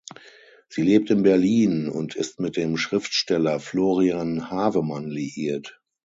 Sie lebt in Berlin und ist mit dem Schriftsteller Florian Havemann liiert.